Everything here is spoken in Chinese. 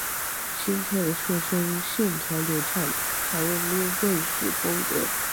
新车的车身线条流畅，采用溜背式风格